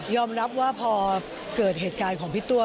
รับว่าพอเกิดเหตุการณ์ของพี่ตัว